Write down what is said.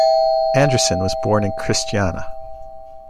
Andresen was born in Kristiania.